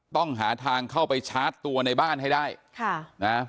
ต้องหาทางเข้าไปชาร์จตัวในบ้านให้ได้ค่ะนะ